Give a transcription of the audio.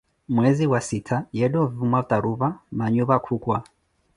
Mwezi wa siittaa, yeetha ovuma tarupha, manhupa khukwa